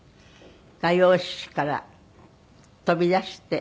画用紙から飛び出して。